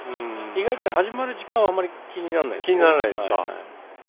意外と始まる時間はあまり気にならないですね。